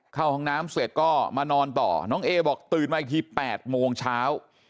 เข้าห้องน้ำเสร็จก็มานอนต่อน้องเอบอกตื่นมาอีกที๘โมงเช้า